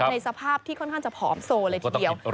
ในสภาพที่ค่อนข้างจะผอมโซเลยทีเดียว